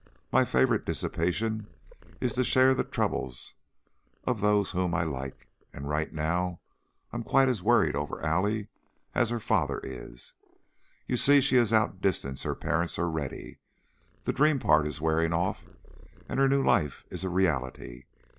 My favorite dissipation is to share the troubles of those whom I like, and right now I'm quite as worried over Allie as her father is. You see, she has outdistanced her parents already; the dream part is wearing off and her new life is a reality.